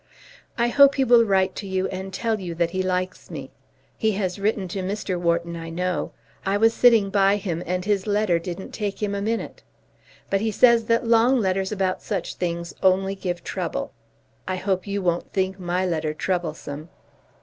I hope he will write to you and tell you that he likes me. He has written to Mr. Wharton, I know. I was sitting by him and his letter didn't take him a minute. But he says that long letters about such things only give trouble. I hope you won't think my letter troublesome.